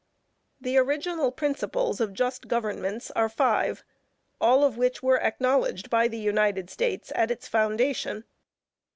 The original principles of just governments are five, all of which were acknowledged by the United States at its foundation.